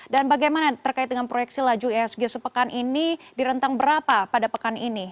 dan bagaimana terkait dengan proyeksi laju ihsg sepekan ini di rentang berapa pada pekan ini